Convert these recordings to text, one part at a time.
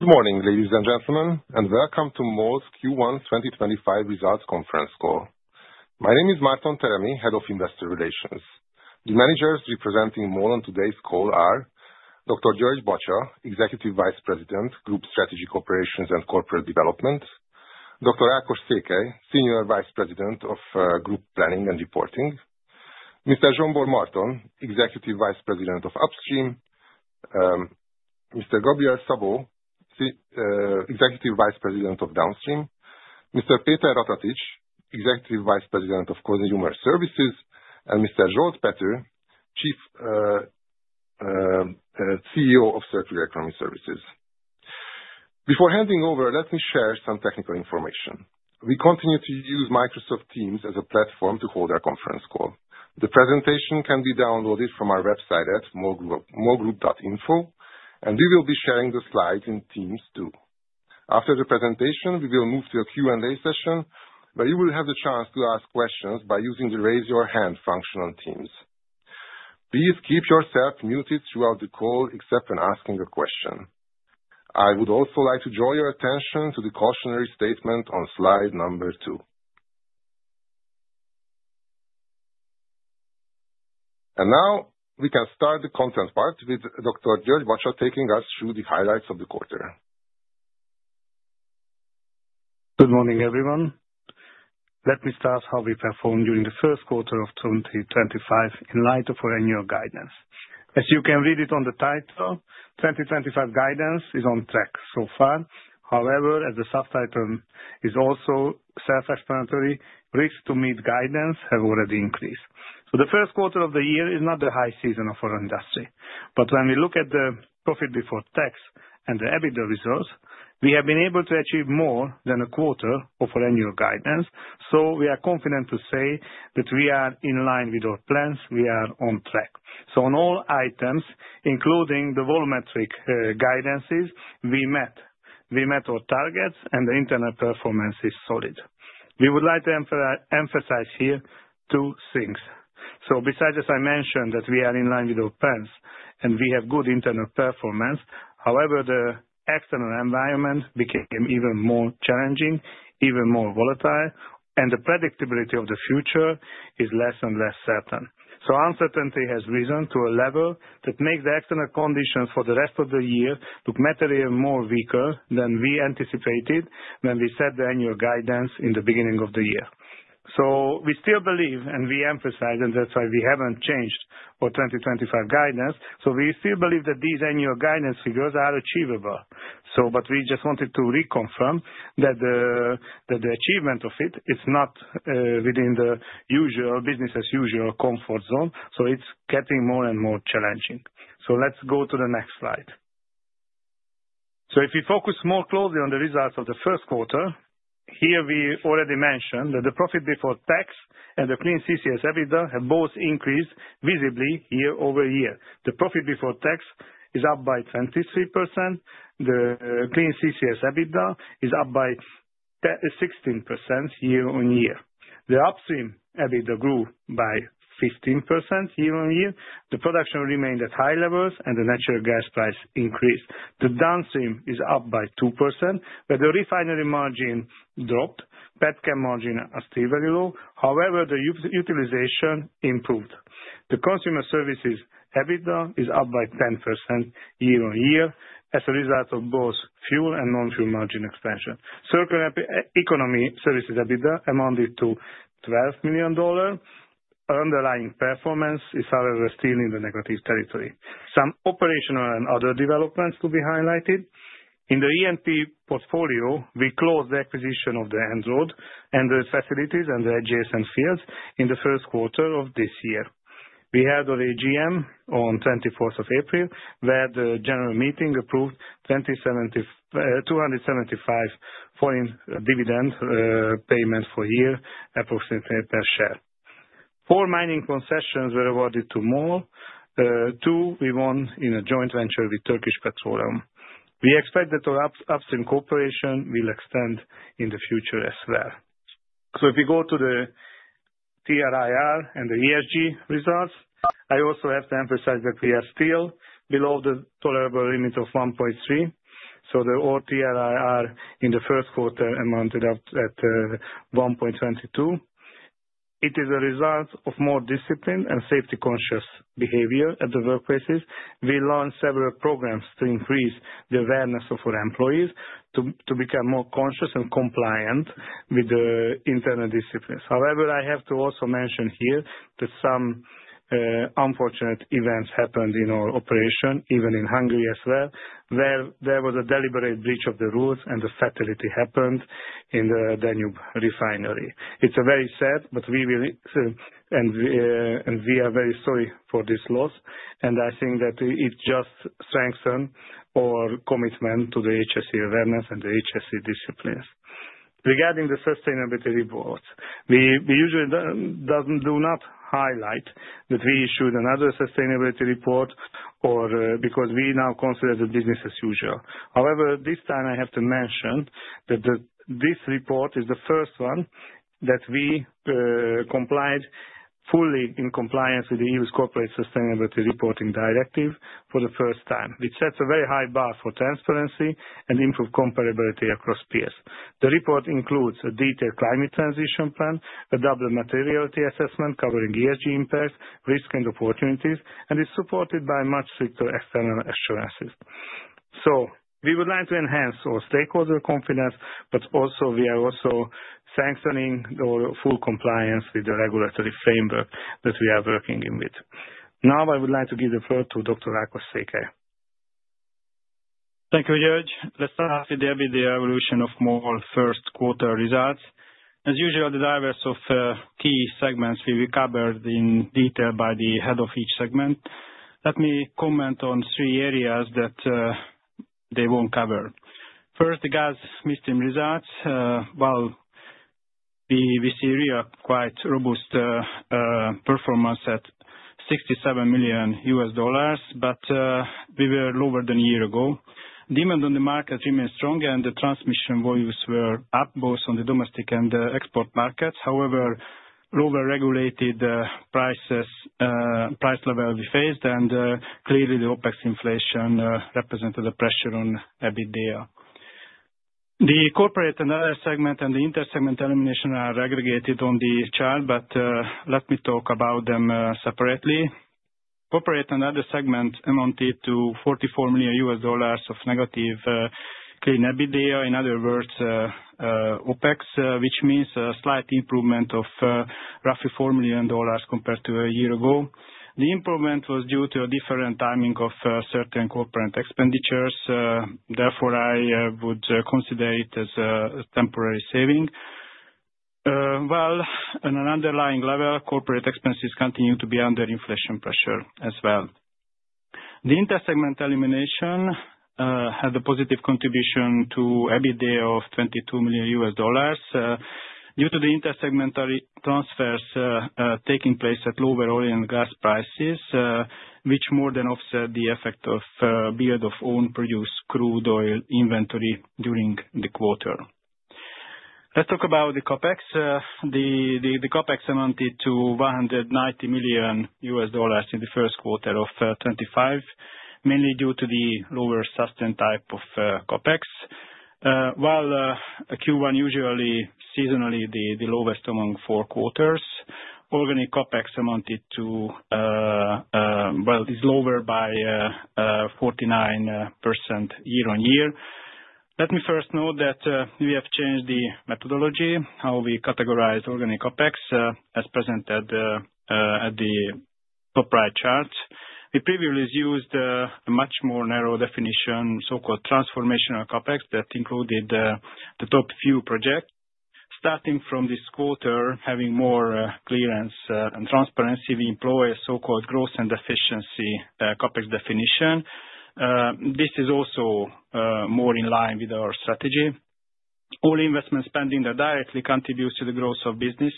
Good morning, ladies and gentlemen, and welcome to MOL's Q1 2025 Results Conference Call. My name is Márton Teremi, Head of Investor Relations. The managers representing MOL on today's call are: Dr. György Bacsa, Executive Vice President, Group Strategic Operations and Corporate Development; Dr. Ákos Székely, Senior Vice President of Group Planning and Reporting; Mr. Zsombor Márton, Executive Vice President of Upstream; Mr. Gabriel Szabó, Executive Vice President of Downstream; Mr. Péter Ratatics, Executive Vice President of Consumer Services; and Mr. Zsolt Pethő, CEO of Circular Economy Services. Before handing over, let me share some technical information. We continue to use Microsoft Teams as a platform to hold our conference call. The presentation can be downloaded from our website at molgroup.info, and we will be sharing the slides in Teams too. After the presentation, we will move to a Q&A session where you will have the chance to ask questions by using the Raise your hand function on Teams. Please keep yourself muted throughout the call except when asking a question. I would also like to draw your attention to the cautionary statement on slide number two. Now we can start the content part with Dr. György Bacsa taking us through the highlights of the quarter. Good morning, everyone. Let me start how we performed during the first quarter of 2025 in light of our annual guidance. As you can read it on the title, 2025 guidance is on track so far. However, as the subtitle is also self-explanatory, risks to meet guidance have already increased. The first quarter of the year is not the high season of our industry. When we look at the profit before tax and the EBITDA results, we have been able to achieve more than a quarter of our annual guidance. We are confident to say that we are in line with our plans. We are on track. On all items, including the volumetric guidances, we met. We met our targets, and the internal performance is solid. We would like to emphasize here two things. As I mentioned, we are in line with our plans and we have good internal performance. However, the external environment became even more challenging, even more volatile, and the predictability of the future is less and less certain. Uncertainty has risen to a level that makes the external conditions for the rest of the year look materially weaker than we anticipated when we set the annual guidance in the beginning of the year. We still believe, and we emphasize, and that is why we have not changed our 2025 guidance. We still believe that these annual guidance figures are achievable, but we just wanted to reconfirm that the achievement of it is not within the usual business-as-usual comfort zone. It is getting more and more challenging. Let's go to the next slide. If we focus more closely on the results of the first quarter, here we already mentioned that the profit before tax and the clean CCS EBITDA have both increased visibly YoY. The profit before tax is up by 23%. The clean CCS EBITDA is up by 16% YoY. The upstream EBITDA grew by 15% YoY. The production remained at high levels, and the natural gas price increased. The downstream is up by 2%, but the refinery margin dropped. Petchem margins are still very low. However, the utilization improved. The consumer services EBITDA is up by 10% YoY as a result of both fuel and non-fuel margin expansion. Circular Economy Services EBITDA amounted to $12 million. Our underlying performance is, however, still in the negative territory. Some operational and other developments will be highlighted. In the E&P portfolio, we closed the acquisition of the Endrőd and the facilities and the adjacent fields in the first quarter of this year. We held a GM on the 24th of April, where the general meeting approved 275 dividend payments for a year, approximately per share. Four mining concessions were awarded to MOL. Two, we won in a joint venture with Turkish Petroleum. We expect that our upstream cooperation will extend in the future as well. If we go to the TRIR and the ESG results, I also have to emphasize that we are still below the tolerable limit of 1.3. The TRIR in the first quarter amounted up at 1.22. It is a result of more discipline and safety-conscious behavior at the workplaces. We launched several programs to increase the awareness of our employees to become more conscious and compliant with the internal disciplines. However, I have to also mention here that some unfortunate events happened in our operation, even in Hungary as well, where there was a deliberate breach of the rules and the fatality happened in the Danube Refinery. It is very sad, but we will, and we are very sorry for this loss. I think that it just strengthens our commitment to the HSE awareness and the HSE disciplines. Regarding the sustainability reports, we usually do not highlight that we issued another sustainability report because we now consider the business as usual. However, this time I have to mention that this report is the first one that we complied fully in compliance with the EU's Corporate Sustainability Reporting Directive for the first time, which sets a very high bar for transparency and improved comparability across peers. The report includes a detailed climate transition plan, a double materiality assessment covering ESG impacts, risk, and opportunities, and is supported by much stricter external assurances. We would like to enhance our stakeholder confidence, but also we are also strengthening our full compliance with the regulatory framework that we are working in with. Now I would like to give the floor to Dr. Ákos Székely. Thank you, György. Let's start with the EBITDA evolution of MOL first quarter results. As usual, the drivers of key segments will be covered in detail by the head of each segment. Let me comment on three areas that they won't cover. First, the gas midstream results. We see really quite robust performance at $67 million, but we were lower than a year ago. Demand on the market remained strong, and the transmission volumes were up both on the domestic and export markets. However, lower regulated price level we faced, and clearly the OpEx inflation represented the pressure on EBITDA. The corporate and other segment and the inter-segment elimination are aggregated on the chart, but let me talk about them separately. Corporate and other segments amounted to $44 million of negative clean EBITDA, in other words, OpEx, which means a slight improvement of roughly $4 million compared to a year ago. The improvement was due to a different timing of certain corporate expenditures. I would consider it as a temporary saving. On an underlying level, corporate expenses continue to be under inflation pressure as well. The inter-segment elimination had a positive contribution to EBITDA of $22 million due to the inter-segmentary transfers taking place at lower oil and gas prices, which more than offset the effect of the yield of own produced crude oil inventory during the quarter. Let's talk about the CapEx. The CapEx amounted to $190 million in the first quarter of 2025, mainly due to the lower sustained type of CapEx. While Q1 usually seasonally the lowest among four quarters, organic CapEx amounted to, well, is lower by 49% YoY. Let me first note that we have changed the methodology, how we categorize organic CapEx, as presented at the top right chart. We previously used a much more narrow definition, so-called transformational CapEx, that included the top few projects. Starting from this quarter, having more clearance and transparency, we employ a so-called gross and efficiency CapEx definition. This is also more in line with our strategy. All investment spending that directly contributes to the growth of business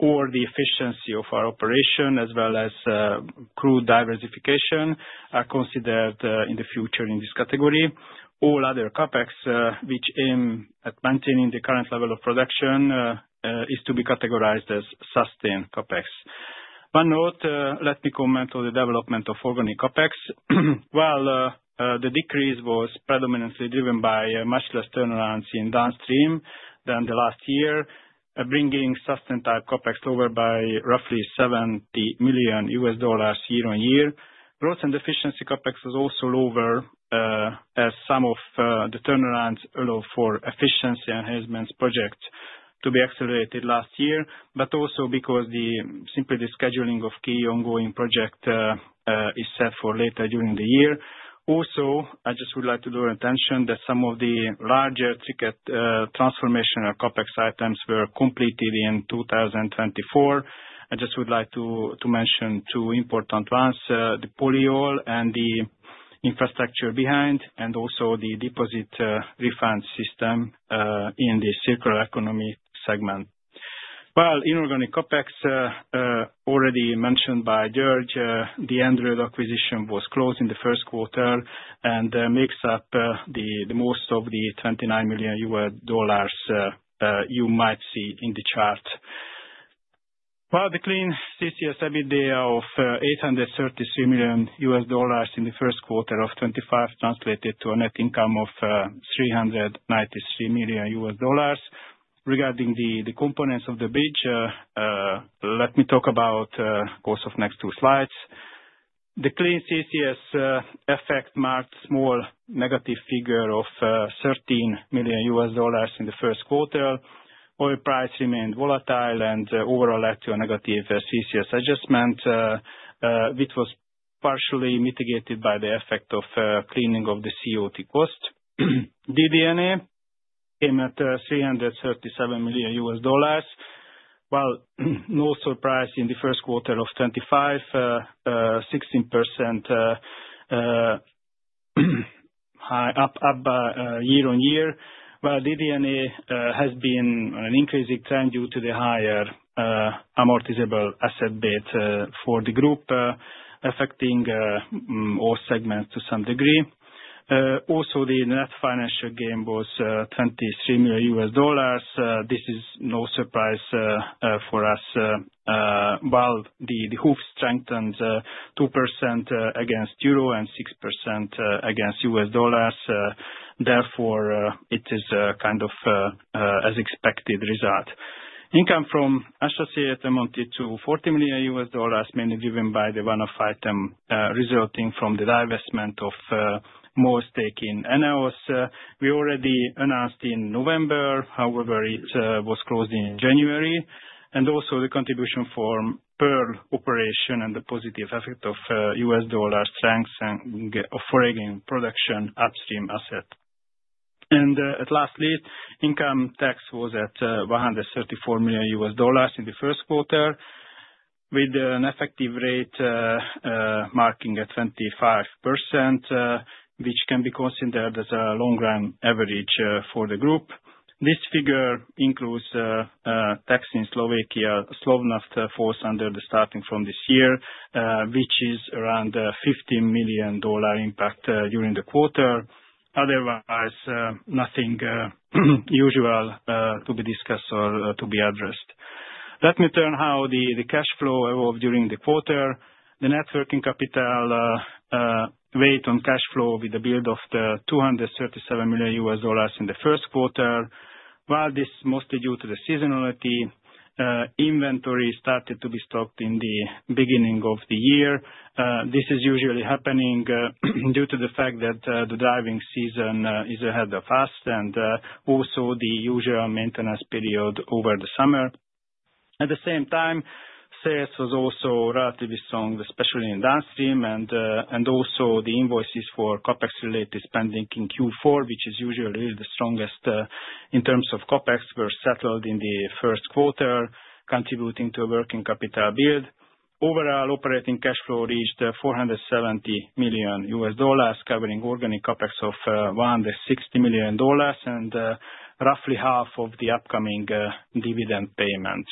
or the efficiency of our operation, as well as crude diversification, are considered in the future in this category. All other CapEx, which aim at maintaining the current level of production, is to be categorized as sustained CapEx. One note, let me comment on the development of organic CapEx. The decrease was predominantly driven by much less turnarounds in downstream than the last year, bringing sustained type CapEx lower by roughly $70 million YoY. Gross and efficiency CapEx was also lower as some of the turnarounds allowed for efficiency enhancements projects to be accelerated last year, but also because simply the scheduling of key ongoing projects is set for later during the year. Also, I just would like to draw attention that some of the larger ticket transformational CapEx items were completed in 2024. I just would like to mention two important ones: the polyol and the infrastructure behind, and also the deposit refund system in the circular economy segment. Inorganic CapEx, already mentioned by György, the Endröd road acquisition was closed in the first quarter and makes up the most of the $29 million you might see in the chart. The clean CCS EBITDA of $833 million in the first quarter of 2025 translated to a net income of $393 million. Regarding the components of the bridge, let me talk about the course of next two slides. The clean CCS effect marked a small negative figure of $13 million in the first quarter. Oil price remained volatile and overall led to a negative CCS adjustment, which was partially mitigated by the effect of cleaning of the COT cost. DD&A came at $337 million. No surprise in the first quarter of 2025, 16% up YoY. DD&A has been on an increasing trend due to the higher amortizable asset bid for the group, affecting all segments to some degree. Also, the net financial gain was $23 million. This is no surprise for us. The HUF strengthens 2% against EUR and 6% against USD. Therefore, it is kind of as expected result. Income from associates amounted to $40 million, mainly driven by the one-off item resulting from the divestment of MOL stake in ENEOS. We already announced in November, however, it was closed in January. Also the contribution from [firm operation] and the positive effect of USD strengthening of foreign production upstream asset. Lastly, income tax was at $134 million in the first quarter, with an effective rate marking at 25%, which can be considered as a long-run average for the group. This figure includes tax in Slovakia, Slovnaft falls under the starting from this year, which is around $15 million impact during the quarter. Otherwise, nothing usual to be discussed or to be addressed. Let me turn to how the cash flow evolved during the quarter. The net working capital weighed on cash flow with the build of $237 million in the first quarter. This is mostly due to the seasonality. Inventory started to be stocked in the beginning of the year. This is usually happening due to the fact that the driving season is ahead of us and also the usual maintenance period over the summer. At the same time, sales was also relatively strong, especially in downstream, and also the invoices for CapEx-related spending in Q4, which is usually the strongest in terms of CapEx, were settled in the first quarter, contributing to a working capital build. Overall, operating cash flow reached $470 million, covering organic CapEx of $160 million and roughly half of the upcoming dividend payment.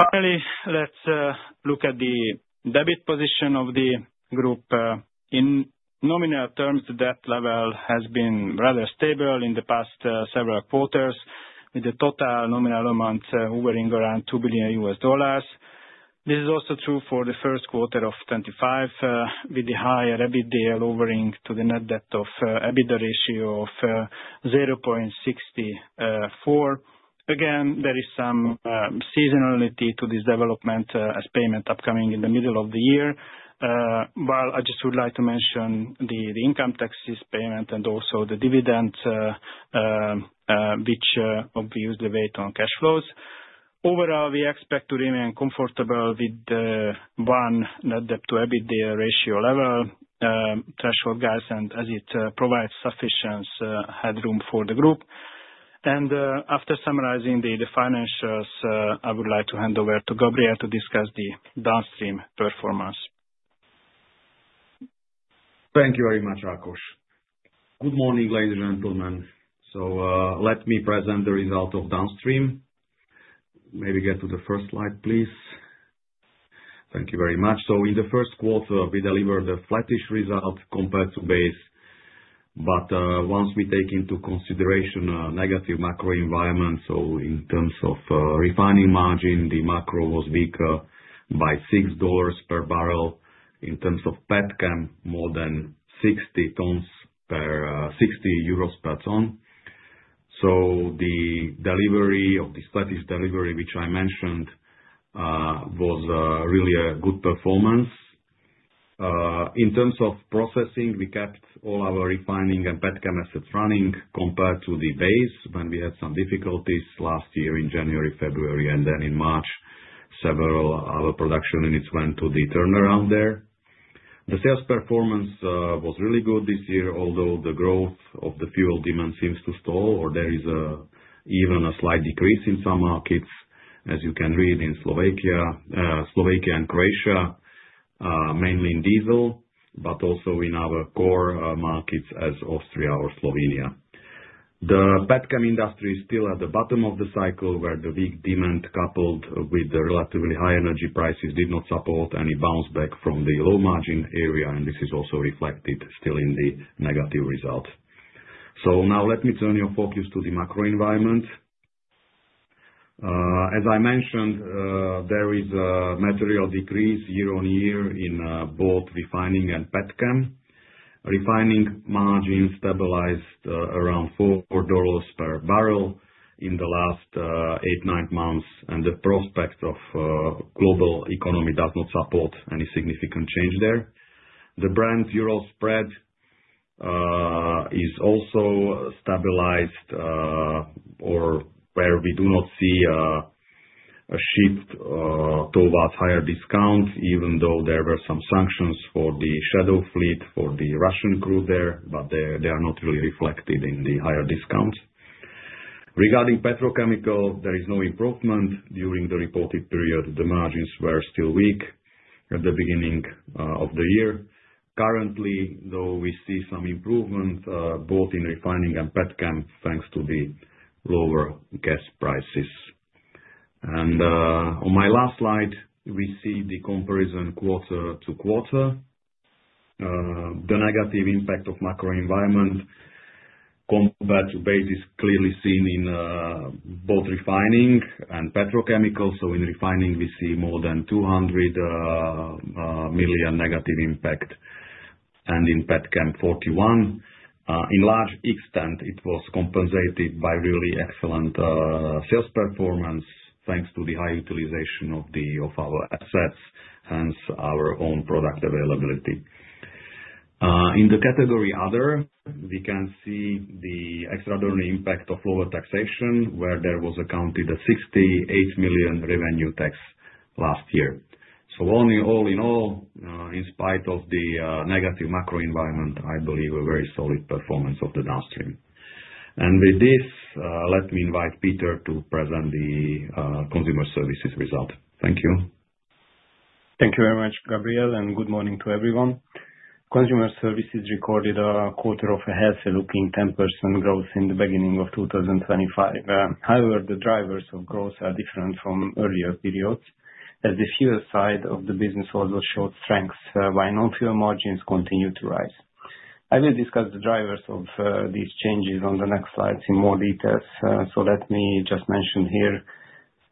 Finally, let's look at the debt position of the group. In nominal terms, the debt level has been rather stable in the past several quarters, with the total nominal amount hovering around $2 billion. This is also true for the first quarter of 2025, with the higher EBITDA lowering the net debt to EBITDA ratio to 0.64. There is some seasonality to this development as payment is upcoming in the middle of the year. I just would like to mention the income taxes payment and also the dividends, which obviously weigh on cash flows. Overall, we expect to remain comfortable with one net debt to EBITDA ratio level, threshold guidance, as it provides sufficient headroom for the group. After summarizing the financials, I would like to hand over to Gabriel to discuss the downstream performance. Thank you very much, Ákos. Good morning, ladies and gentlemen. Let me present the result of downstream. Maybe get to the first slide, please. Thank you very much. In the first quarter, we delivered a flattish result compared to base. Once we take into consideration negative macro environment, in terms of refining margin, the macro was weaker by $6 per barrel. In terms of petchem, more than 60 euros per ton. The delivery of this flattish delivery, which I mentioned, was really a good performance. In terms of processing, we kept all our refining and petchem assets running compared to the base when we had some difficulties last year in January, February, and then in March, several of our production units went to the turnaround there. The sales performance was really good this year, although the growth of the fuel demand seems to stall, or there is even a slight decrease in some markets, as you can read in Slovakia and Croatia, mainly in diesel, but also in our core markets as Austria or Slovenia. The petchem industry is still at the bottom of the cycle, where the weak demand coupled with the relatively high energy prices did not support any bounce back from the low margin area, and this is also reflected still in the negative result. Now let me turn your focus to the macro environment. As I mentioned, there is a material decrease YoY in both refining and petchem. Refining margin stabilized around $4 per barrel in the last eight nine months, and the prospect of global economy does not support any significant change there. The Brent euro spread is also stabilized, or where we do not see a shift towards higher discounts, even though there were some sanctions for the shadow fleet for the Russian crude there, but they are not really reflected in the higher discounts. Regarding petrochemical, there is no improvement. During the reported period, the margins were still weak at the beginning of the year. Currently, though, we see some improvement both in refining and petchem thanks to the lower gas prices. On my last slide, we see the comparison QoQ. The negative impact of macro environment compared to base is clearly seen in both refining and petrochemicals. In refining, we see more than 200 million negative impact, and in petchem, 41 million. To a large extent, it was compensated by really excellent sales performance thanks to the high utilization of our assets and our own product availability. In the category other, we can see the extraordinary impact of lower taxation, where there was accounted a 68 million revenue tax last year. All in all, in spite of the negative macro environment, I believe a very solid performance of the downstream. With this, let me invite Péter to present the consumer services result. Thank you. Thank you very much, Gabriel, and good morning to everyone. Consumer services recorded a quarter of a half-looking 10% growth in the beginning of 2025. However, the drivers of growth are different from earlier periods, as the fuel side of the business also showed strengths while non-fuel margins continued to rise. I will discuss the drivers of these changes on the next slides in more detail. Let me just mention here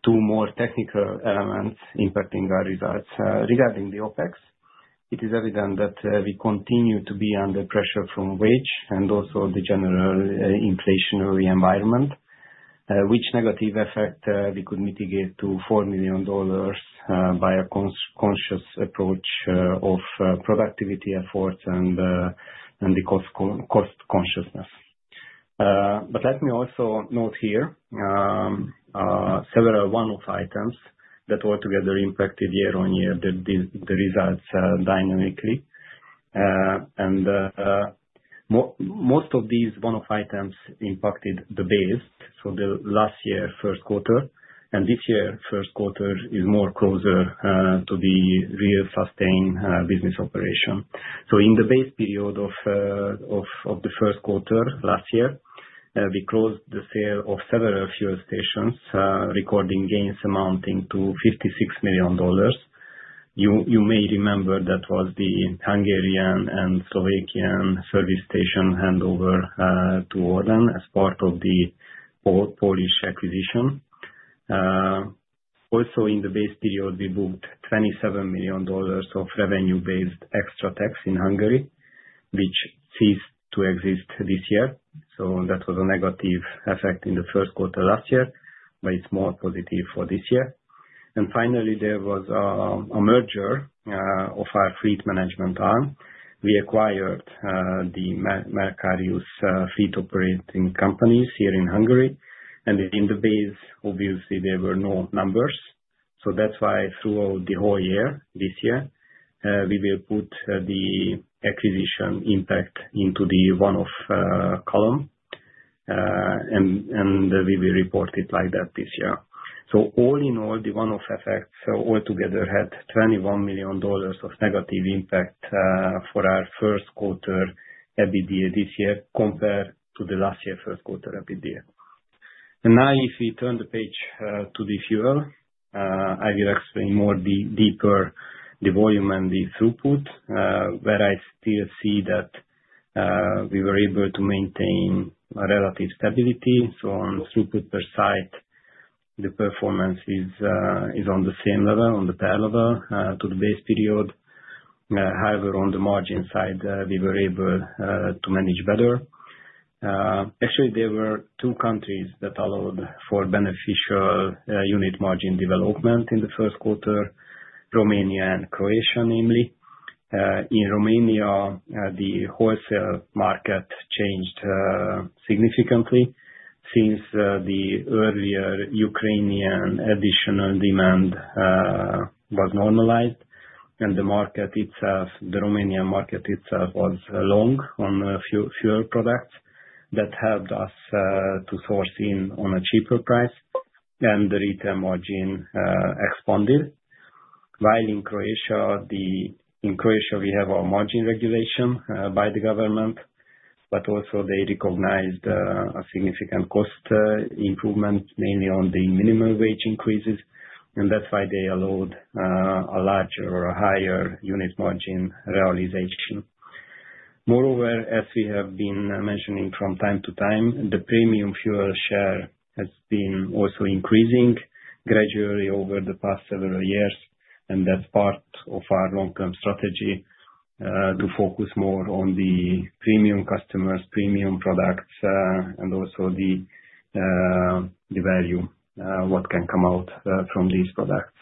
two more technical elements impacting our results. Regarding the OpEx, it is evident that we continue to be under pressure from wage and also the general inflationary environment, which negative effect we could mitigate to $4 million by a conscious approach of productivity efforts and the cost consciousness. Let me also note here several one-off items that altogether impacted YoY the results dynamically. Most of these one-off items impacted the base, so the last year first quarter and this year first quarter is more closer to the real sustained business operation. In the base period of the first quarter last year, we closed the sale of several fuel stations, recording gains amounting to $56 million. You may remember that was the Hungarian and Slovakian service station handover to ORLEN as part of the Polish acquisition. Also in the base period, we booked $27 million of revenue-based extra tax in Hungary, which ceased to exist this year. That was a negative effect in the first quarter last year, but it is more positive for this year. Finally, there was a merger of our fleet management arm. We acquired the Mercarius fleet operating companies here in Hungary. In the base, obviously, there were no numbers. That is why throughout the whole year this year, we will put the acquisition impact into the one-off column, and we will report it like that this year. All in all, the one-off effects altogether had $21 million of negative impact for our first quarter EBITDA this year compared to the last year first quarter EBITDA. Now if we turn the page to the fuel, I will explain more deeply the volume and the throughput, where I still see that we were able to maintain a relative stability. On throughput per site, the performance is on the same level, parallel to the base period. However, on the margin side, we were able to manage better. Actually, there were two countries that allowed for beneficial unit margin development in the first quarter, Romania and Croatia, namely. In Romania, the wholesale market changed significantly since the earlier Ukrainian additional demand was normalized. The market itself, the Romanian market itself was long on fuel products that helped us to source in on a cheaper price, and the retail margin expanded. While in Croatia, we have our margin regulation by the government, but also they recognized a significant cost improvement, mainly on the minimum wage increases, and that's why they allowed a larger or higher unit margin realization. Moreover, as we have been mentioning from time to time, the premium fuel share has been also increasing gradually over the past several years, and that's part of our long-term strategy to focus more on the premium customers, premium products, and also the value, what can come out from these products.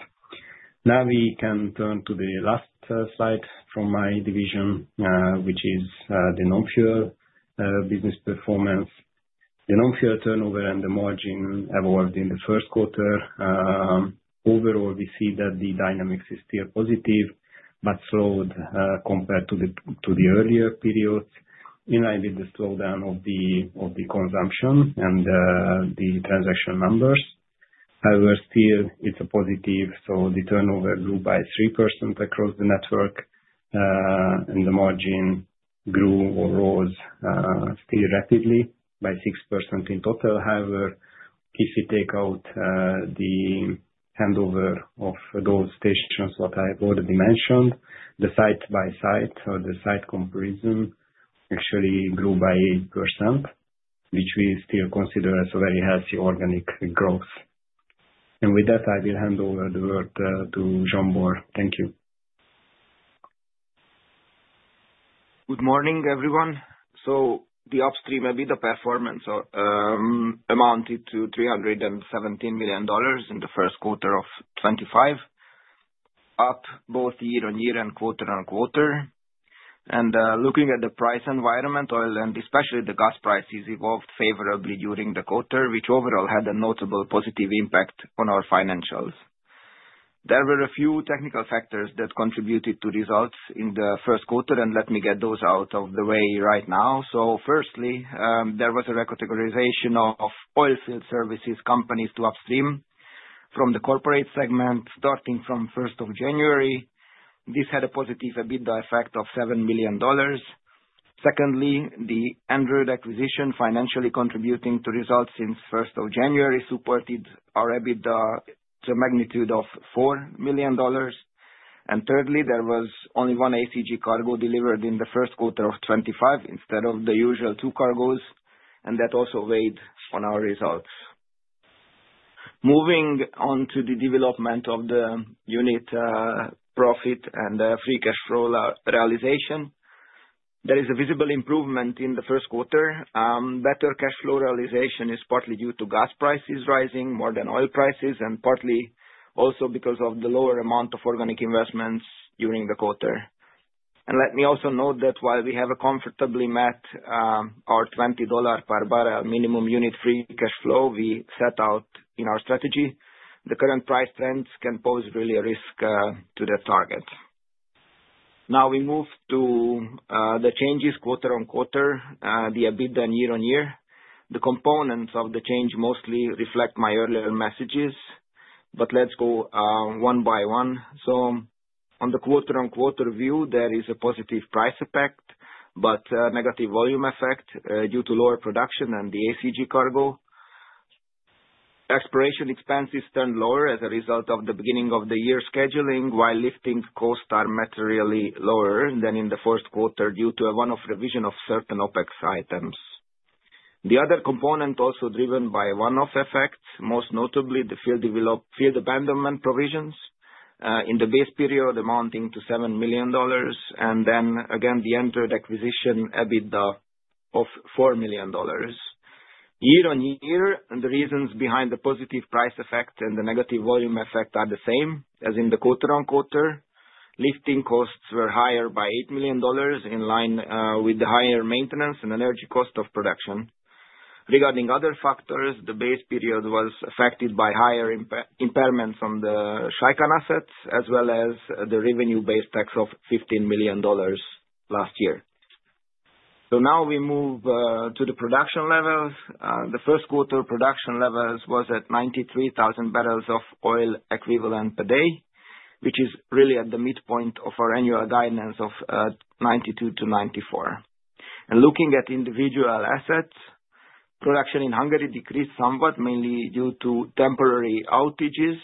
Now we can turn to the last slide from my division, which is the non-fuel business performance. The non-fuel turnover and the margin evolved in the first quarter. Overall, we see that the dynamics is still positive, but slowed compared to the earlier periods, in line with the slowdown of the consumption and the transaction numbers. However, still, it's a positive. The turnover grew by 3% across the network, and the margin grew or rose still rapidly by 6% in total. However, if we take out the handover of those stations, what I've already mentioned, the site-by-site or the site comparison actually grew by 8%, which we still consider as a very healthy organic growth. With that, I will hand over the word to Zsombor. Thank you. Good morning, everyone. The upstream EBITDA performance amounted to $317 million in the first quarter of 2025, up both YoY and QoQ. Looking at the price environment, oil and especially the gas prices evolved favorably during the quarter, which overall had a notable positive impact on our financials. There were a few technical factors that contributed to results in the first quarter, and let me get those out of the way right now. Firstly, there was a recategorization of oilfield services companies to upstream from the corporate segment starting from January 1. This had a positive EBITDA effect of $7 million. Secondly, the Android acquisition financially contributing to results since January 1 supported our EBITDA to a magnitude of $4 million. Thirdly, there was only one ACG cargo delivered in the first quarter of 2025 instead of the usual two cargoes, and that also weighed on our results. Moving on to the development of the unit profit and free cash flow realization, there is a visible improvement in the first quarter. Better cash flow realization is partly due to gas prices rising more than oil prices, and partly also because of the lower amount of organic investments during the quarter. Let me also note that while we have comfortably met our $20 per barrel minimum unit free cash flow we set out in our strategy, the current price trends can pose really a risk to the target. Now we move to the changes QoQ, the EBITDA YoY. The components of the change mostly reflect my earlier messages, but let's go one by one. On the QoQ view, there is a positive price effect, but negative volume effect due to lower production and the ACG cargo. Expiration expenses turned lower as a result of the beginning of the year scheduling, while lifting costs are materially lower than in the first quarter due to a one-off revision of certain OpEx items. The other component also driven by one-off effects, most notably the field abandonment provisions in the base period amounting to $7 million, and then again the Endröd acquisition EBITDA of $4 million. YoY, the reasons behind the positive price effect and the negative volume effect are the same as in the quarter on quarter. Lifting costs were higher by $8 million in line with the higher maintenance and energy cost of production. Regarding other factors, the base period was affected by higher impairments on the Shaikan assets, as well as the revenue-based tax of $15 million last year. Now we move to the production levels. The first quarter production levels was at 93,000 barrels of oil equivalent per day, which is really at the midpoint of our annual guidance of 92-94. Looking at individual assets, production in Hungary decreased somewhat, mainly due to temporary outages.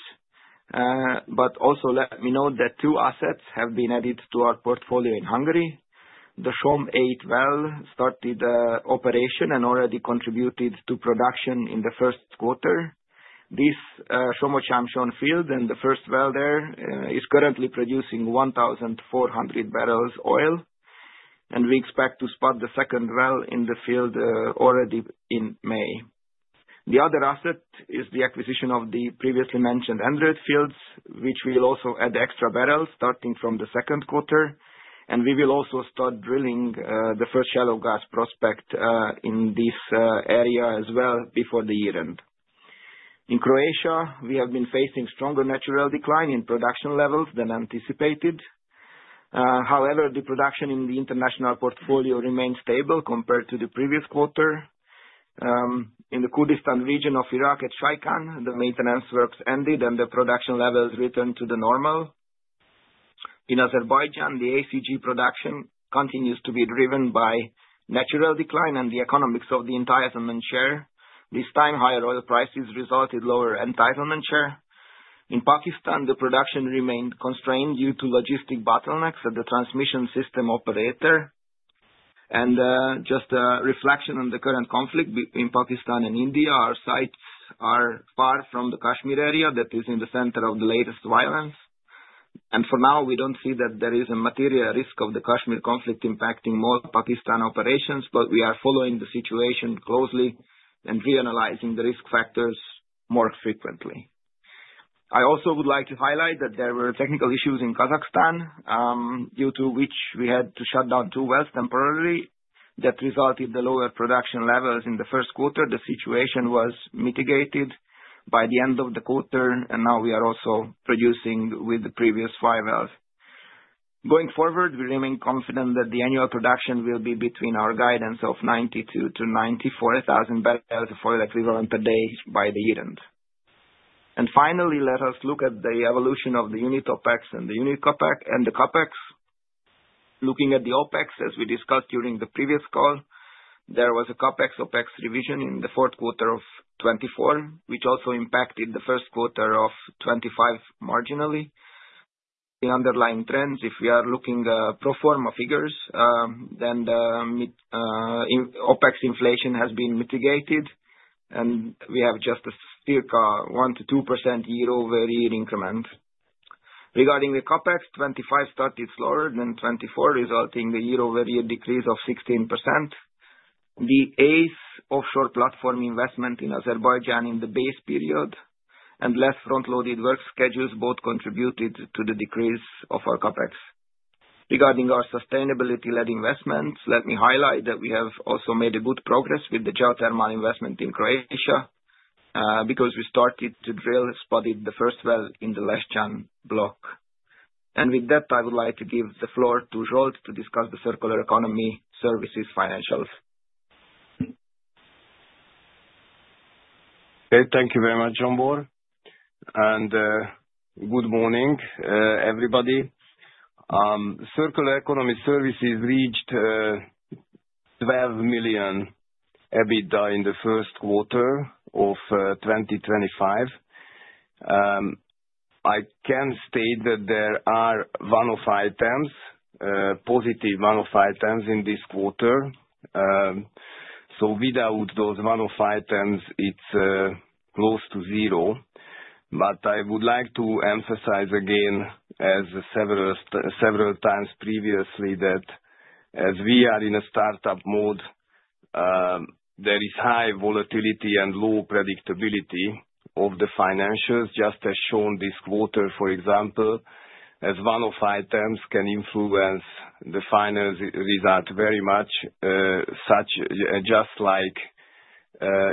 Let me note that two assets have been added to our portfolio in Hungary. The Som-8 well started operation and already contributed to production in the first quarter. This Somogysámson field and the first well there is currently producing 1,400 barrels oil, and we expect to spot the second well in the field already in May. The other asset is the acquisition of the previously mentioned Endröd fields, which will also add extra barrels starting from the second quarter. We will also start drilling the first shallow gas prospect in this area as well before the year-end. In Croatia, we have been facing stronger natural decline in production levels than anticipated. However, the production in the international portfolio remained stable compared to the previous quarter. In the Kurdistan region of Iraq at Shaikan, the maintenance works ended and the production levels returned to the normal. In Azerbaijan, the ACG production continues to be driven by natural decline and the economics of the entitlement share. This time, higher oil prices resulted in lower entitlement share. In Pakistan, the production remained constrained due to logistic bottlenecks at the transmission system operator. Just a reflection on the current conflict between Pakistan and India, our sites are far from the Kashmir area that is in the center of the latest violence. For now, we do not see that there is a material risk of the Kashmir conflict impacting more Pakistan operations, but we are following the situation closely and reanalyzing the risk factors more frequently. I also would like to highlight that there were technical issues in Kazakhstan due to which we had to shut down two wells temporarily. That resulted in the lower production levels in the first quarter. The situation was mitigated by the end of the quarter, and now we are also producing with the previous five wells. Going forward, we remain confident that the annual production will be between our guidance of 92,000-94,000 barrels of oil equivalent per day by the year-end. Finally, let us look at the evolution of the unit OpEx and the unit CapEx. Looking at the OpEx, as we discussed during the previous call, there was a CapEx-OpEx revision in the fourth quarter of 2024, which also impacted the first quarter of 2025 marginally. The underlying trends, if we are looking at pro forma figures, then the OpEx inflation has been mitigated, and we have just a circa 1-2% YoY increment. Regarding the CapEx, 2025 started slower than 2024, resulting in the YoY decrease of 16%. The ACE offshore platform investment in Azerbaijan in the base period and less front-loaded work schedules both contributed to the decrease of our CapEx. Regarding our sustainability-led investments, let me highlight that we have also made good progress with the geothermal investment in Croatia because we started to drill, spotted the first well in the Leshchan block. I would like to give the floor to Zsolt to discuss the circular economy services financials. Okay, thank you very much, Zsombor. Good morning, everybody. Circular Economy Services reached $12 million EBITDA in the first quarter of 2025. I can state that there are one-off items, positive one-off items in this quarter. Without those one-off items, it is close to zero. I would like to emphasize again, as several times previously, that as we are in a startup mode, there is high volatility and low predictability of the financials, just as shown this quarter, for example, as one-off items can influence the final result very much, just like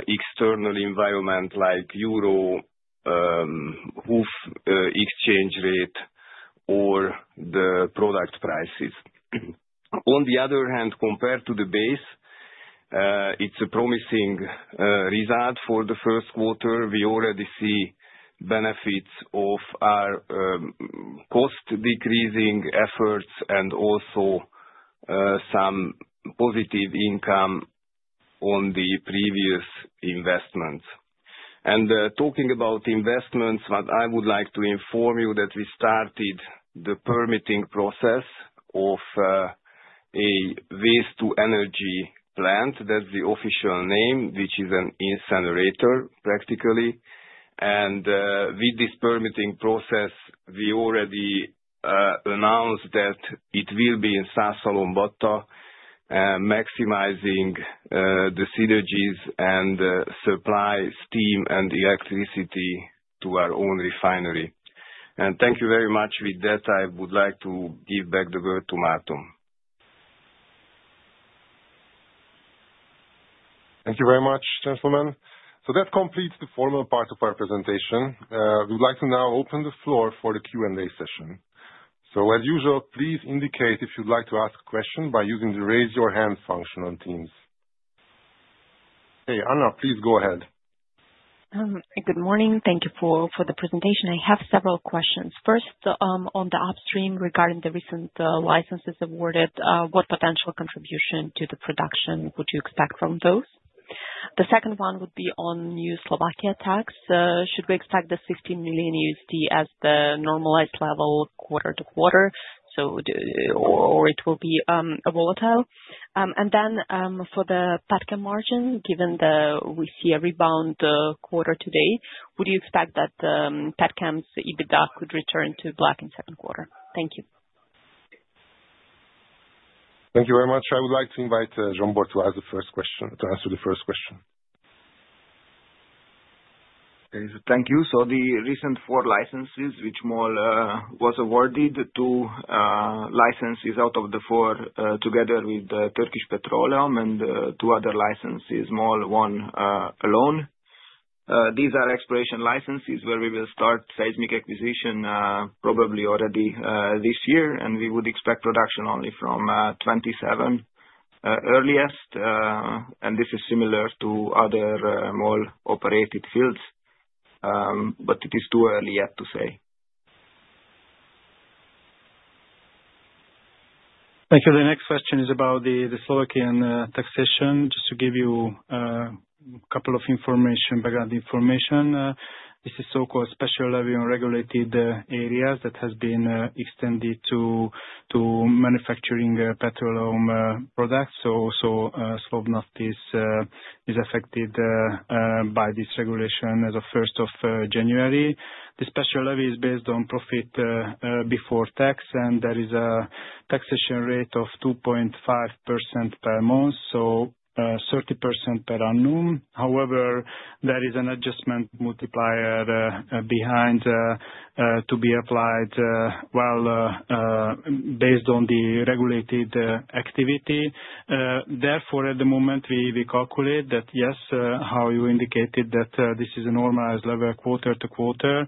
external environment like EUR exchange rate or the product prices. On the other hand, compared to the base, it is a promising result for the first quarter. We already see benefits of our cost decreasing efforts and also some positive income on the previous investments. Talking about investments, I would like to inform you that we started the permitting process of a waste-to-energy plant. That is the official name, which is an incinerator, practically. With this permitting process, we already announced that it will be in Százhalombatta, maximizing the synergies and supplying steam and electricity to our own refinery. Thank you very much. With that, I would like to give back the word to Márton. Thank you very much, gentlemen. That completes the formal part of our presentation. We would like to now open the floor for the Q&A session. As usual, please indicate if you'd like to ask a question by using the Raise your hand function on Teams. Hey, Anna, please go ahead. Good morning. Thank you for the presentation. I have several questions. First, on the upstream regarding the recent licenses awarded, what potential contribution to the production would you expect from those? The second one would be on new Slovakia tax. Should we expect the $15 million as the normalized level QoQ, or it will be volatile? And then for the petchem margin, given that we see a rebound quarter to date, would you expect that petchem's EBITDA could return to black in second quarter? Thank you. Thank you very much. I would like to invite Zsombor to answer the first question. Thank you. The recent four licenses, which MOL was awarded, two licenses out of the four together with Turkish Petroleum and two other licenses, MOL won alone. These are exploration licenses where we will start seismic acquisition probably already this year, and we would expect production only from 2027 earliest. This is similar to other MOL-operated fields, but it is too early yet to say. Thank you. The next question is about the Slovakian taxation. Just to give you a couple of information, background information, this is so-called special levy on regulated areas that has been extended to manufacturing petroleum products. Slovnaft is affected by this regulation as of 1st of January. The special levy is based on profit before tax, and there is a taxation rate of 2.5% per month, so 30% per annum. However, there is an adjustment multiplier behind to be applied based on the regulated activity. Therefore, at the moment, we calculate that, yes, how you indicated that this is a normalized level QoQ.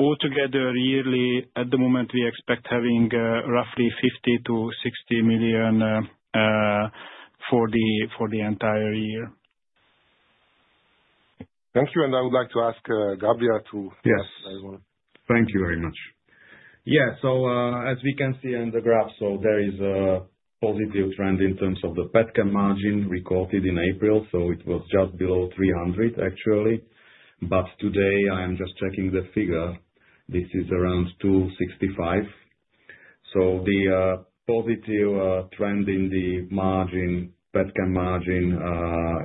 Altogether, yearly, at the moment, we expect having roughly 50 million-60 million for the entire year. Thank you. I would like to ask Gabriel to. Yes. Thank you very much. Yeah. As we can see on the graph, there is a positive trend in terms of the petchem margin recorded in April. It was just below 300, actually. Today, I am just checking the figure. This is around 265. The positive trend in the margin, petchem margin,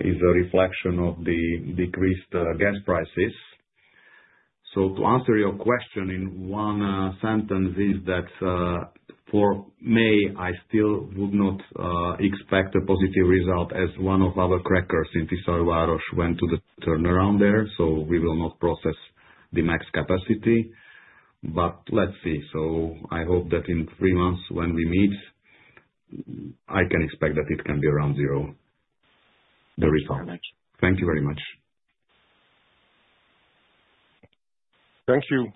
is a reflection of the decreased gas prices. To answer your question in one sentence, for May, I still would not expect a positive result as one of our crackers in Tiszaújváros went to the turnaround there. We will not process the max capacity. Let's see. I hope that in three months when we meet, I can expect that it can be around zero, the result. Thank you very much. Thank you.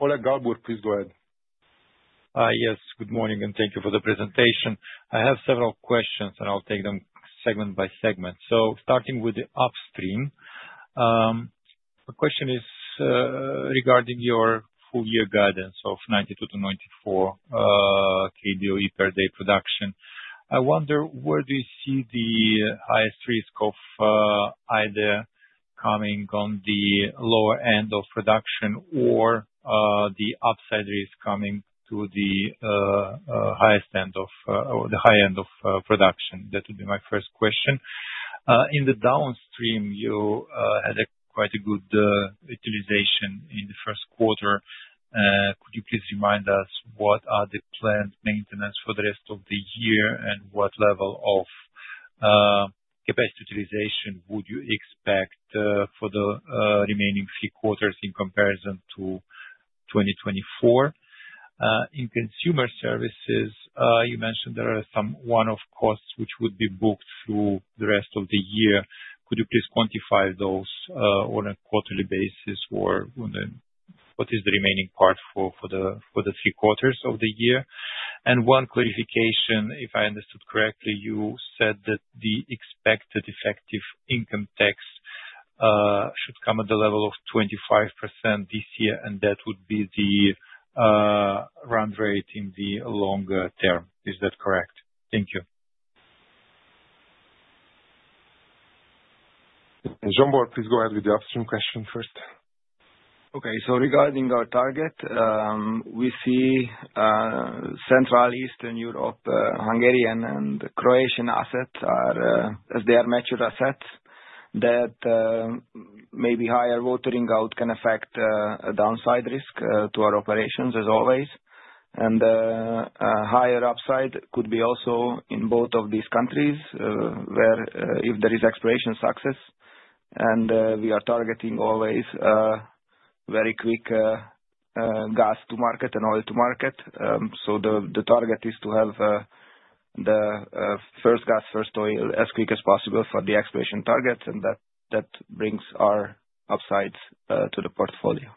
Oleg Galbur, please go ahead. Yes, good morning, and thank you for the presentation. I have several questions, and I'll take them segment by segment. Starting with the upstream, my question is regarding your full-year guidance of 92-94 KBOE/d production. I wonder, where do you see the highest risk of either coming on the lower end of production or the upside risk coming to the highest end of the high end of production? That would be my first question. In the downstream, you had quite a good utilization in the first quarter. Could you please remind us what are the planned maintenance for the rest of the year and what level of capacity utilization would you expect for the remaining three quarters in comparison to 2024? In consumer services, you mentioned there are some one-off costs which would be booked through the rest of the year. Could you please quantify those on a quarterly basis or what is the remaining part for the three quarters of the year? One clarification, if I understood correctly, you said that the expected effective income tax should come at the level of 25% this year, and that would be the run rate in the longer term. Is that correct? Thank you. Zsombor, please go ahead with the upstream question first. Okay. Regarding our target, we see Central, Eastern Europe, Hungarian, and Croatian assets as they are mature assets, that maybe higher watering out can affect a downside risk to our operations, as always. Higher upside could be also in both of these countries where if there is exploration success, and we are targeting always very quick gas to market and oil to market. The target is to have the first gas, first oil as quick as possible for the exploration target, and that brings our upsides to the portfolio.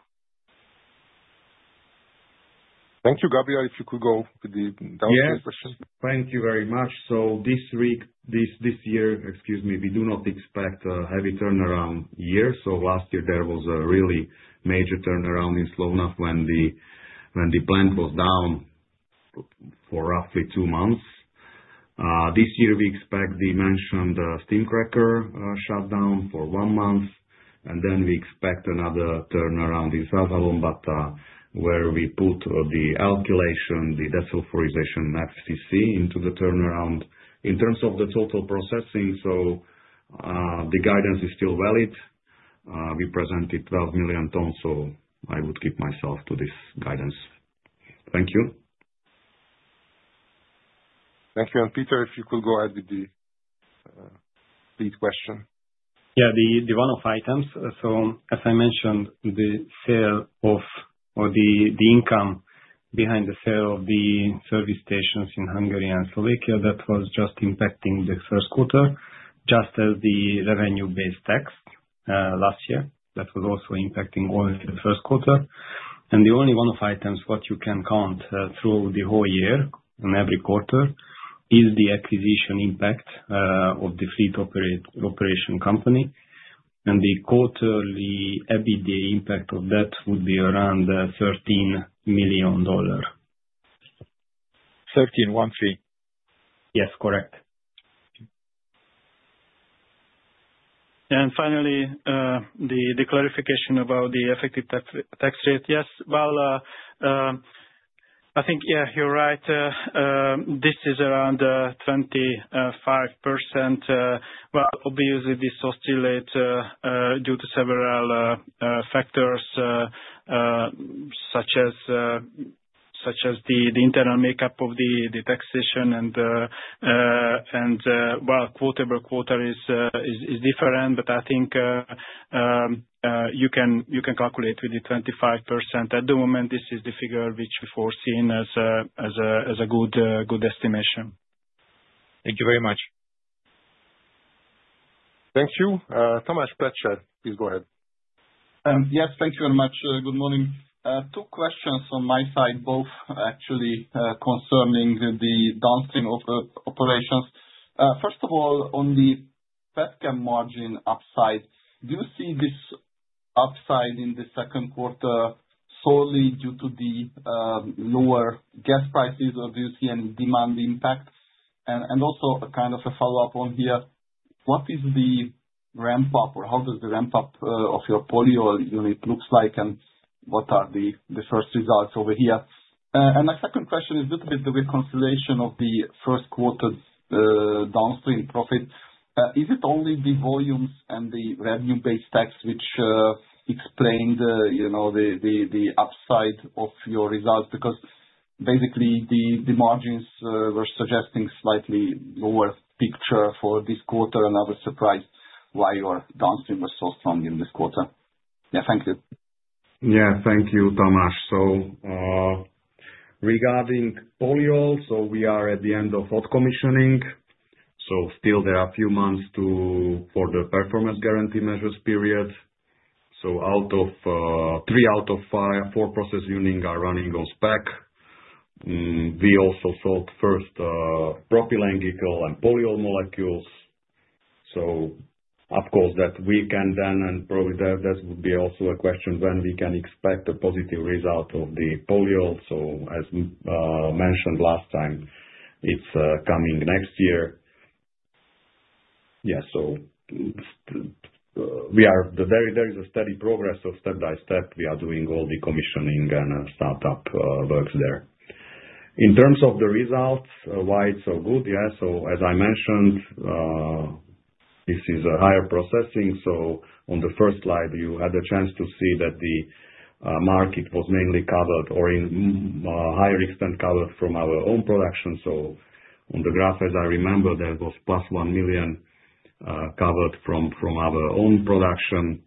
Thank you. Gabriel, if you could go with the downstream question. Yes. Thank you very much. This year. Excuse me, we do not expect a heavy turnaround year. Last year, there was a really major turnaround in Slovnaft when the plant was down for roughly two months. This year, we expect the mentioned steam cracker shutdown for one month, and then we expect another turnaround in Százhalombatta where we put the alkylation, the desulfurization FCC into the turnaround. In terms of the total processing, the guidance is still valid. We presented 12 million tons, so I would keep myself to this guidance. Thank you. Thank you. Péter, if you could go ahead with the lead question. Yeah, the one-off items. As I mentioned, the sale of or the income behind the sale of the service stations in Hungary and Slovakia, that was just impacting the first quarter, just as the revenue-based tax last year. That was also impacting only the first quarter. The only one-off items what you can count through the whole year and every quarter is the acquisition impact of the fleet operation company. The quarterly EBITDA impact of that would be around $13 million. 13, one three. Yes, correct. Finally, the clarification about the effective tax rate. Yes, I think, yeah, you're right. This is around 25%. Obviously, this oscillates due to several factors such as the internal makeup of the taxation and, QoQ, is different, but I think you can calculate with the 25%. At the moment, this is the figure which we foreseen as a good estimation. Thank you very much. Thank you. Tomasz Noetzel, please go ahead. Yes, thank you very much. Good morning. Two questions on my side, both actually concerning the downstream operations. First of all, on the petchem margin upside, do you see this upside in the second quarter solely due to the lower gas prices, or do you see any demand impact? Also, kind of a follow-up on here, what is the ramp-up, or how does the ramp-up of your polyol unit look like, and what are the first results over here? My second question is a little bit the reconciliation of the first quarter downstream profit. Is it only the volumes and the revenue-based tax which explain the upside of your results? Because basically, the margins were suggesting a slightly lower picture for this quarter, and I was surprised why your downstream was so strong in this quarter. Yeah, thank you. Yeah, thank you, Tomasz. Regarding polyol, we are at the end of hot commissioning. There are still a few months for the performance guarantee measures period. Three out of four process units are running on spec. We also sold first propylene glycol and polyol molecules. Of course, that weekend then, and probably that would be also a question when we can expect a positive result of the polyol. As mentioned last time, it's coming next year. There is a steady progress step by step. We are doing all the commissioning and startup works there. In terms of the results, why it's so good, as I mentioned, this is a higher processing. On the first slide, you had a chance to see that the market was mainly covered or in higher extent covered from our own production. On the graph, as I remember, there was +1 million covered from our own production,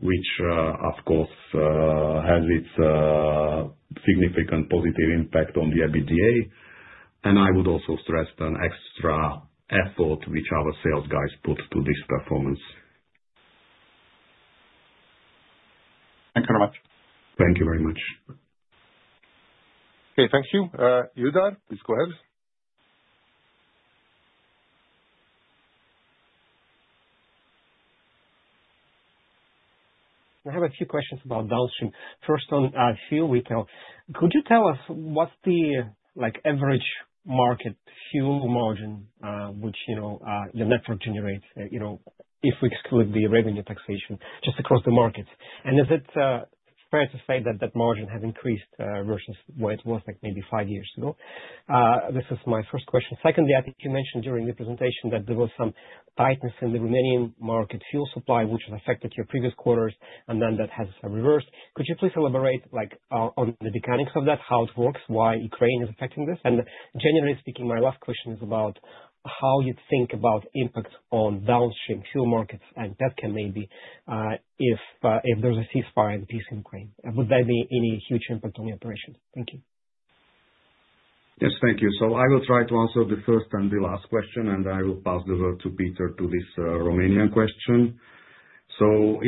which, of course, has its significant positive impact on the EBITDA. I would also stress the extra effort which our sales guys put to this performance. Thank you very much. Thank you very much. Okay, thank you. [Yudan], please go ahead. I have a few questions about downstream. First on fuel vehicle. Could you tell us what's the average market fuel margin which your network generates if we exclude the revenue taxation just across the market? Is it fair to say that that margin has increased versus what it was maybe five years ago? This is my first question. Secondly, I think you mentioned during the presentation that there was some tightness in the Romanian market fuel supply, which has affected your previous quarters, and that has reversed. Could you please elaborate on the mechanics of that, how it works, why Ukraine is affecting this? Generally speaking, my last question is about how you think about impact on downstream fuel markets and petchem maybe if there's a ceasefire and peace in Ukraine. Would there be any huge impact on your operations? Thank you. Yes, thank you. I will try to answer the first and the last question, and I will pass the word to Péter to this Romanian question.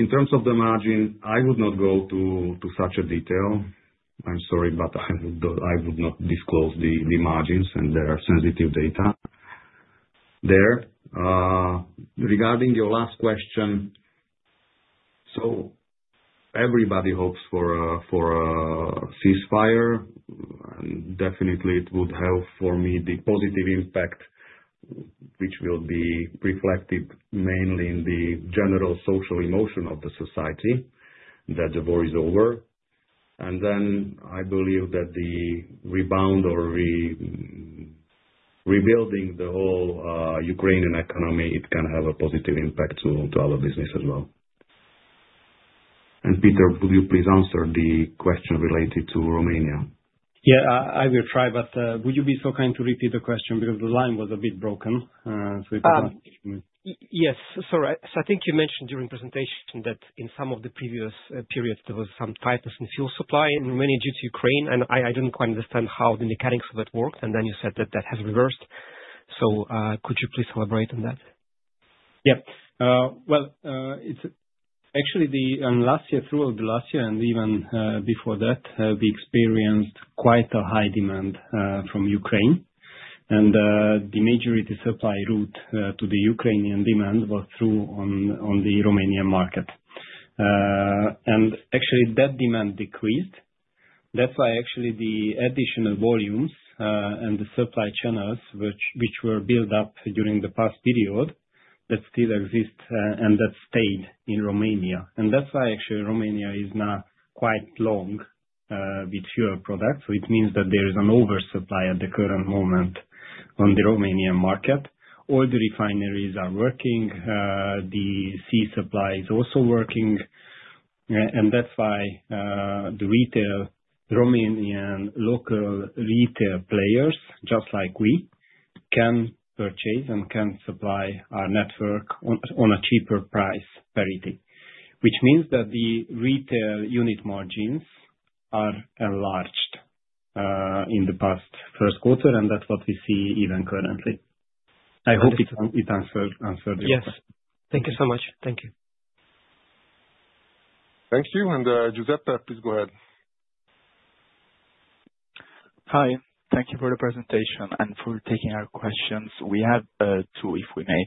In terms of the margin, I would not go to such a detail. I'm sorry, but I would not disclose the margins, and there are sensitive data there. Regarding your last question, everybody hopes for a ceasefire. Definitely, it would help for me the positive impact, which will be reflected mainly in the general social emotion of the society that the war is over. I believe that the rebound or rebuilding the whole Ukrainian economy, it can have a positive impact to our business as well. Péter, would you please answer the question related to Romania? Yeah, I will try, but would you be so kind to repeat the question because the line was a bit broken? If I do not understand. Yes. I think you mentioned during the presentation that in some of the previous periods, there was some tightness in fuel supply in Romania due to Ukraine, and I did not quite understand how the mechanics of it worked. You said that that has reversed. Could you please elaborate on that? Yeah. Actually, throughout the last year and even before that, we experienced quite a high demand from Ukraine. The majority supply route to the Ukrainian demand was through on the Romanian market. Actually, that demand decreased. That is why the additional volumes and the supply channels which were built up during the past period still exist and stayed in Romania. That is why Romania is now quite long with fewer products. It means that there is an oversupply at the current moment on the Romanian market. All the refineries are working. The sea supply is also working. That is why the Romanian local retail players, just like we, can purchase and can supply our network on a cheaper price parity, which means that the retail unit margins are enlarged in the past first quarter, and that is what we see even currently. I hope it answered your question. Yes. Thank you so much. Thank you. [Giuseppe], please go ahead. Hi. Thank you for the presentation and for taking our questions. We have two, if we may.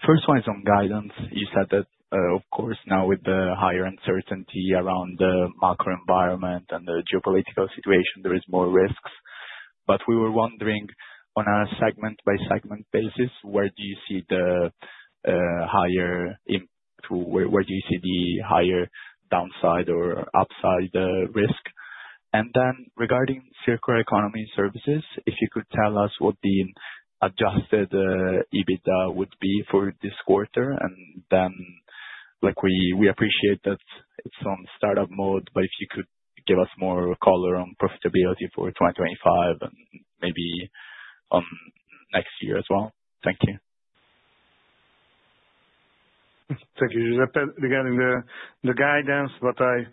The first one is on guidance. You said that, of course, now with the higher uncertainty around the macro environment and the geopolitical situation, there are more risks. We were wondering on a segment-by-segment basis, where do you see the higher impact? Where do you see the higher downside or upside risk? Regarding circular economy services, if you could tell us what the adjusted EBITDA would be for this quarter. We appreciate that it is on startup mode, but if you could give us more color on profitability for 2025 and maybe on next year as well. Thank you. Thank you, [Giuseppe]. Regarding the guidance, what I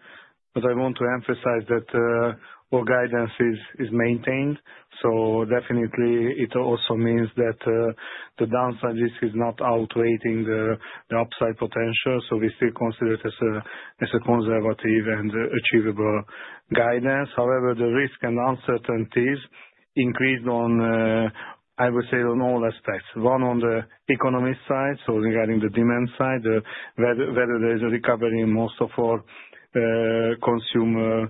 want to emphasize is that all guidance is maintained. Definitely, it also means that the downside risk is not outweighing the upside potential. We still consider it as a conservative and achievable guidance. However, the risk and uncertainties increased on, I would say, on all aspects. One on the economy side, so regarding the demand side, whether there is a recovery in most of our consumer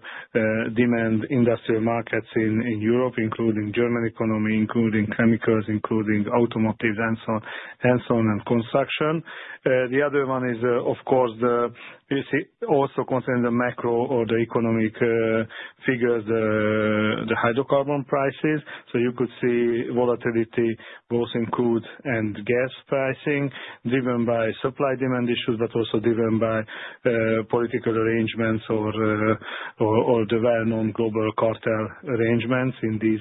demand industrial markets in Europe, including German economy, including chemicals, including automotive, and so on, and construction. The other one is, of course, also concerning the macro or the economic figures, the hydrocarbon prices. You could see volatility both in crude and gas pricing driven by supply-demand issues, but also driven by political arrangements or the well-known global cartel arrangements in these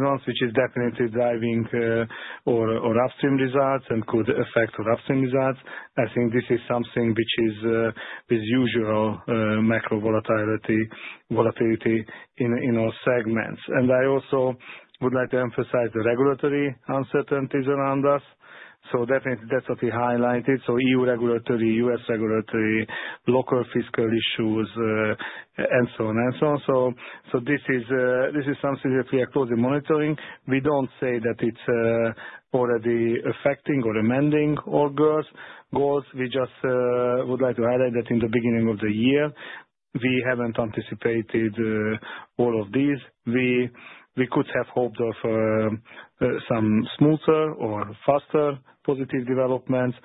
months, which is definitely driving our upstream results and could affect our upstream results. I think this is something which is with usual macro volatility in our segments. I also would like to emphasize the regulatory uncertainties around us. That is what we highlighted. EU regulatory, U.S. regulatory, local fiscal issues, and so on, and so on. This is something that we are closely monitoring. We do not say that it is already affecting or amending our goals. We just would like to highlight that in the beginning of the year, we have not anticipated all of these. We could have hoped for some smoother or faster positive developments.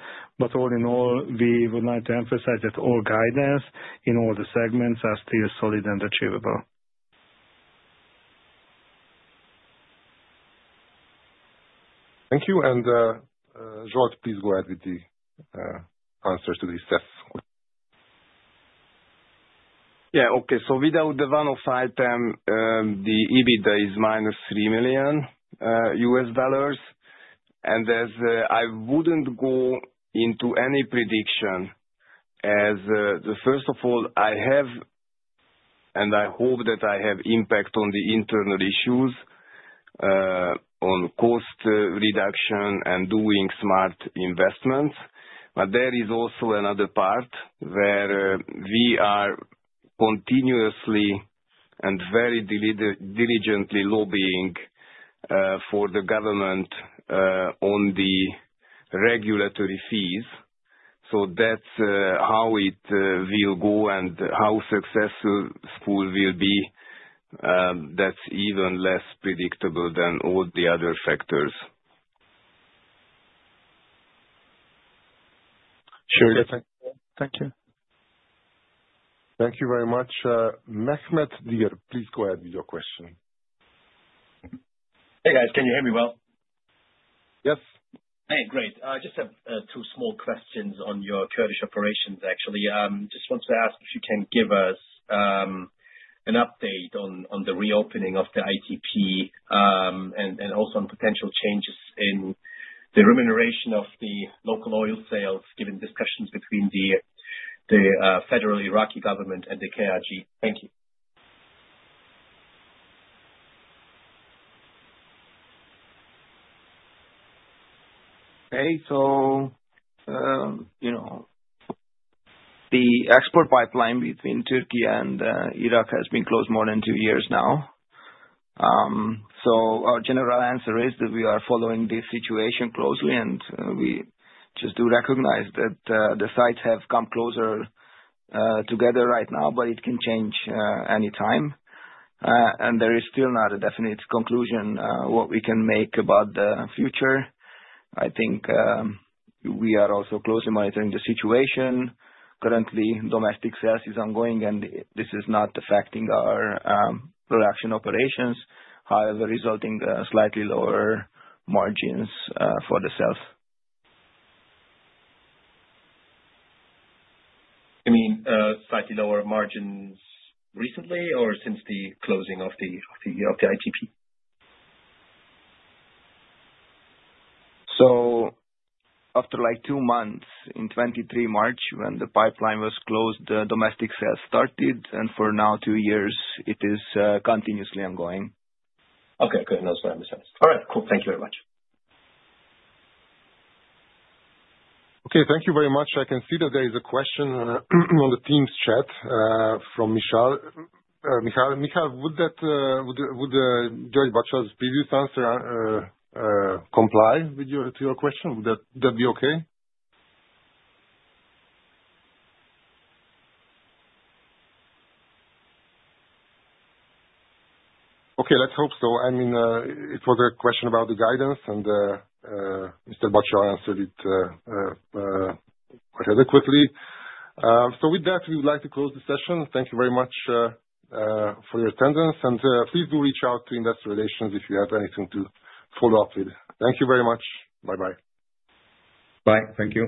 All in all, we would like to emphasize that all guidance in all the segments are still solid and achievable. Thank you. Zsolt, please go ahead with the answers to these tests. Yeah, okay. Without the one-off item, the EBITDA is -$3 million. I would not go into any prediction as, first of all, I have and I hope that I have impact on the internal issues, on cost reduction and doing smart investments. There is also another part where we are continuously and very diligently lobbying for the government on the regulatory fees. That is how it will go and how successful it will be. That is even less predictable than all the other factors. Sure. Thank you. Thank you very much. Mehmet Diyar, please go ahead with your question. Hey, guys. Can you hear me well? Yes. Hey, great. Just have two small questions on your Kurdis operations, actually. Just wanted to ask if you can give us an update on the reopening of the ITP and also on potential changes in the remuneration of the local oil sales, given discussions between the federal Iraqi government and the KRG. Thank you. Okay. The export pipeline between Turkey and Iraq has been closed more than two years now. Our general answer is that we are following this situation closely, and we just do recognize that the sides have come closer together right now, but it can change anytime. There is still not a definite conclusion what we can make about the future. I think we are also closely monitoring the situation. Currently, domestic sales is ongoing, and this is not affecting our production operations, however, resulting in slightly lower margins for the sales. You mean slightly lower margins recently or since the closing of the ITP? After like two months, in 2023 March, when the pipeline was closed, domestic sales started, and for now, two years, it is continuously ongoing. Okay. Good. That's what I understand. All right. Cool. Thank you very much. Okay. Thank you very much. I can see that there is a question on the Teams chat from Michal. Michal, would György Bacsa's previous answer comply to your question? Would that be okay? Okay. Let's hope so. I mean, it was a question about the guidance, and Mr. Bacsa answered it quite adequately. With that, we would like to close the session. Thank you very much for your attendance. Please do reach out to Industrial Relations if you have anything to follow up with. Thank you very much. Bye-bye. Bye. Thank you.